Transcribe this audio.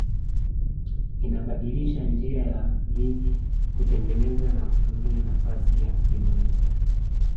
Inabadilisha njia ya miji kutengeneza na kutumia nafasi ya kimwili